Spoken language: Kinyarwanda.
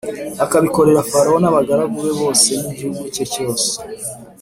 akabikorera Farawo n’abagaragu be bose n’igihugu cye cyose,